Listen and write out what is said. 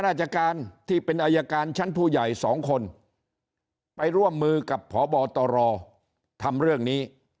ราชการที่เป็นอายการชั้นผู้ใหญ่สองคนไปร่วมมือกับพบตรทำเรื่องนี้